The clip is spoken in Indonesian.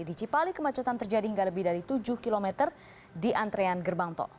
di cipali kemacetan terjadi hingga lebih dari tujuh km di antrean gerbang tol